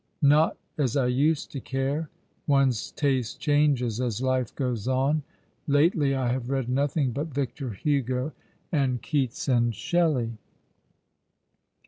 *' Not as I used to care. One's taste changes as life goes on. Lately I have read notliing but Victor Hugo, and Keats, and Shelley."